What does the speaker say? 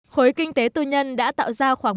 khối kinh tế tư nhân đã tạo ra khoảng một năm